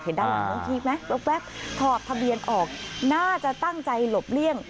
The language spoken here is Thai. ด้านหลังน้องพีคไหมแว๊บถอดทะเบียนออกน่าจะตั้งใจหลบเลี่ยง